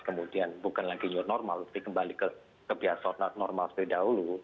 kemudian bukan lagi nyuruh normal tapi kembali ke biasanya normal dari dahulu